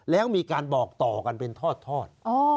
แล้วมีการบอกต่อกันเป็นทอด